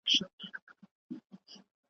هره ورځ یې شل او دېرش ورنه پلورلې ,